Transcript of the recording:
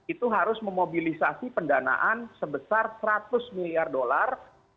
itu harus memobilisasi pendanaan sebesar seratus miliar dolar